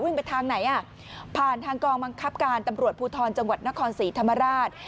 ไปทางไหนอ่ะผ่านทางกองบังคับการตำรวจภูทรจังหวัดนครศรีธรรมราช